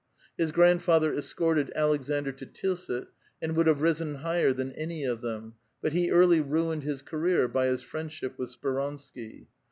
His grandfather es corted Alexander to Tilsit, and would have risen higher than any of them, but he early ruined his career bv his friendship ^ith Speransky.